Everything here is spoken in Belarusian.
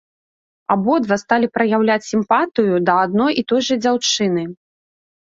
Абодва сталі праяўляць сімпатыю да адной і той жа дзяўчыны.